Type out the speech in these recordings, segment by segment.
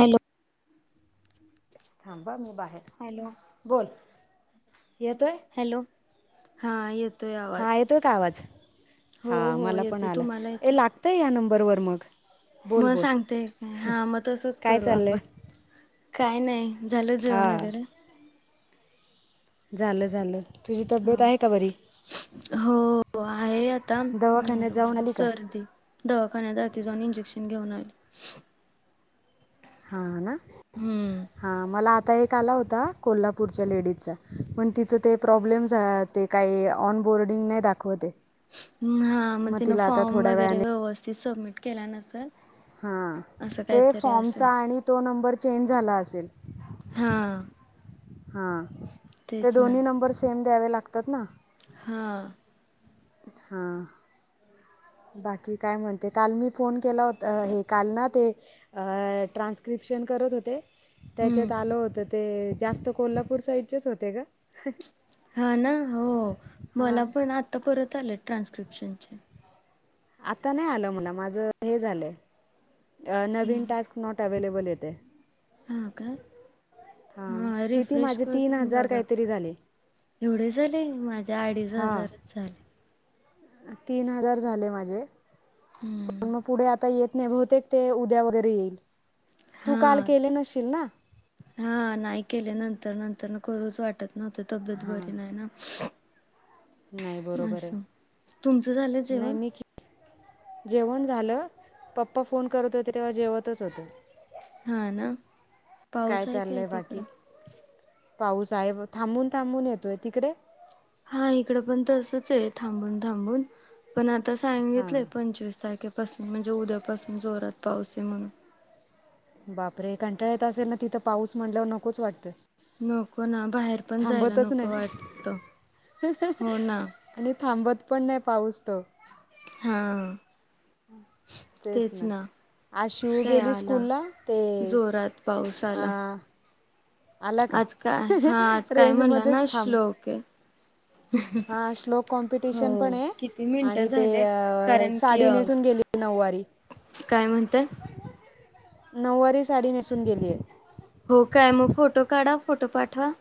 Hello. थांबा हा मी बाहेर.. हॅलो बोल येतोय. हॅलो हा येतोय हां आवाज. येतोय का आवाज.. हो हा हो मला पण येते आला.. तुम्हाला येते लागतंय या नंबरवर मग. बोल मग बोल सांगते.. काय नाही हा मग तसच काय करू चाललं आपण आहे काय नाही. झालं जेवण वगैरे? हां झालं झालं.. तुझी हो तब्येत आहे का बरी? हो आहे आता.. दवाखान्यात जाऊन नॉर्मल आली का सर्दी- दवाखान्यात जाते.. जाऊन इंजेक्शन घेऊन आले. हा ना. हम्म.. हा मला आता एक आला होता कोल्हापूरच्या लेडीजचा पण तिचं ते प्रॉब्लेम झा ते. काही ऑन बोर्डिंग नाही दाखवते. हा मग तिन तिला आता फॉर्म थोड्या वगैरे वेळाने व्यवस्थित सबमिट केला नसेल हां असं ते काहीतरी असं फॉर्मचा आणि तो नंबर चेंज झाला असेल. हा हा.. ते तेच ना दोन्ही नंबर सेम द्यावे लागतात ना. हा.. हा.. बाकी काय म्हणते? काल मी फोन केला होता हे काल ना ते. अ ट्रान्स्क्रिप्शन करत होते. हम्म त्याच्यात आल होत ते जास्त कोल्हापूर साईडचेच होते ग हा ना हो मला पण आता परत आले ट्रान्सक्रिप्शनचे. आता नाही आलं मुला माझं हे झालंय नवीन हम्म. टास्क. नॉट अवेलेबल येत आहे. हा का.. हां हा किती रिफ्रेश माझे तीन करून हजार बघा. काहीतरी झाले एवढे झाले माझे अडीच हां हजारच झाले. तीन हजार झाले माझे हम्म. पण मग पुढे आता येत. नाही बहुतेक ते उद्या वगैरे येईल तू काल हा. केले नशील ना. हा नाही केले नंतर नंतर करूच वाटत. ना ते तब्येत बरी नाही ना. नाही बरोबर असं.. आहे तुमचं झालं नाही जेवण? मी जेवण झालं.. पप्पा फोन करत होते तेव्हा जेवतच होते. हा ना.. पाऊस आहे काय चाललंय बाकी तिकडं? पाऊस आहे.. थांबून थांबून येतोय. तिकडे? हा इकडे पण तसच आहे.. थांबून थांबून पण आता हां सांगितलंय पंचवीस तारखे. पासून म्हणजे उद्यापासून जोरात पाऊस आहे म्हणून. बापरे कंटाळ येत असेल ना तिथं पाऊस म्हटल्यावर नकोच वाटतं. नको ना बाहेर पण जायला थांबतच नको नाही वाटत हो ना. आणि थांबत पण नाही पाऊस तो. हा तेच ना. आज शिव ते काय गेली आला.. स्कूलला ते जोरात पाऊस आ, आला. आला का? आज काय हा आज काय म्हणला ना रेंजमध्येच थांब. श्लोक आहे हा श्लोक कॉम्पिटिशन हो पण आहे.. किती मिनिटं आणि ते झाले कारण की साडी अ नेसून गेली नऊवारी. काय म्हणता? नऊवारी साडी नेसून गेली आहे. हो काय मग फोटो काढा. फोटो पाठवा.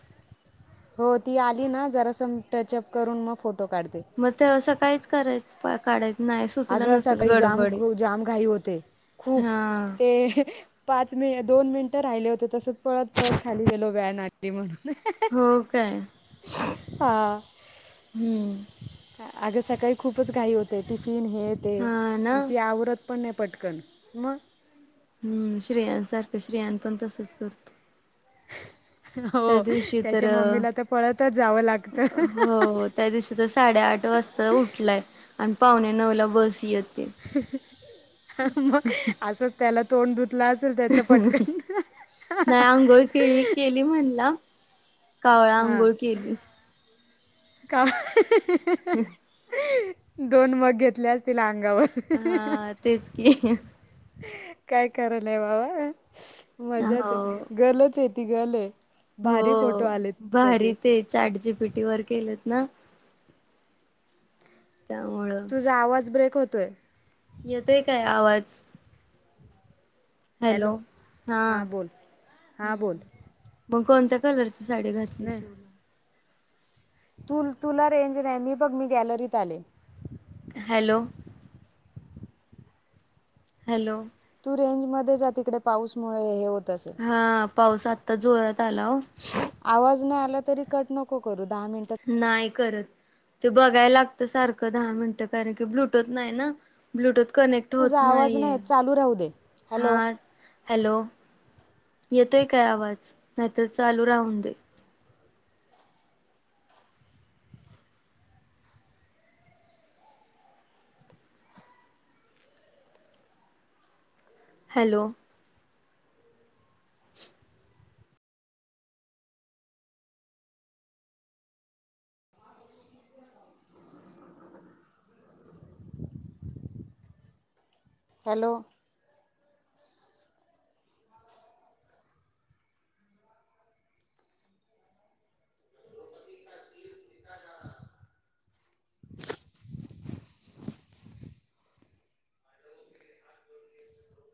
हो ती आली ना जरा सम टचअप करून मग फोटो काढते. मग ते सकाळीच करायच. आग सकाळी जाम जामघाई होते. खूप हा ते. पाच मि दोन मिनिटं राहिले होते तसंच पळत पळत खाली गेलो व्हॅन आली. आली होती. म्हणून हो काय हा. हम्म आग सकाळी खूपच घाई होते. टिफिन हे ते हा ना ती आवरत. पण नाही, पटकन मग. हम्म, श्रेयांन सारखं श्रेयान पण तसच करतो. त्या हो दिवशी तर त्याच्या मम्मीला तर पळतच जावं लागतं. हो. त्या दिवशी तर साडेआठ वाजता उठलाय आणि पावणे नऊ ला बस येत. मग अस त्याला तोंड धुतला असच. अंहा हं नाही आंघोळ केळी केली म्हणला. कावळा अंघोळ केली. कावळा ही ही ही- हं दोन मग घेतले असतील अंगावर हा तेच की काय खरं नाही बाबा मजाच हो गलच ये ती गल ये हो भारी ते चॅट जी पी टी वर केलात ना. त्यामुळं तुझा आवाज ब्रेक होतोय. येतोय काय आवाज? हॅलो हा हां बोल हां बोल हम्म- मग कोणत्या कलरची साडी घातली शिवला तुल तुला रेंज नाही मी बघ मी गॅलरीत आले. हॅलो.... हॅलो.... तू रेंज मध्ये जा तिकडे पाऊसमुळे हे होत असेल हा पाऊस आत्ता जोरात आला ओ आवाज नाही आला तरी कट नको करू दहा मिनिटात नाही करत. ते बघायला लागत सारखं दहा मिनटं कारण की ब्लूटूथ नाही ना ब्लूटूथ कनेक्ट. होत तुझा आवाज नाहीये. नाही येत, चालू राहू दे हॅलो हा हॅलो येतोय काय आवाज नाहीतर चालू राहून दे. Hello.... hello....